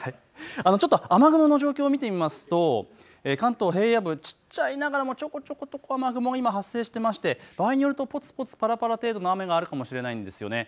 ちょっと雨雲の状況を見てみますと関東平野部ちっちゃいながらもちょこちょこと雨雲が今、発生していまして場合によるとぽつぽつぱらぱら程度の雨があるかもしれないんですよね。